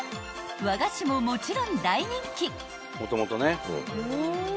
［和菓子ももちろん大人気］